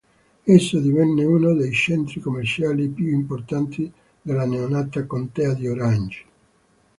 Esso divenne uno dei centri commerciali più importanti della neonata contea di Orange.